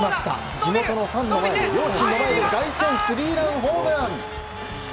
地元のファンの前、両親の前で凱旋スリーランホームラン。